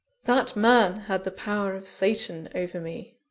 That man had the power of Satan over me!